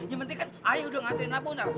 yang penting kan ayah udah ngantriin abunar